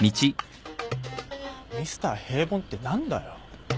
ミスター平凡って何だよ。